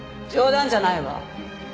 冗談じゃないわ。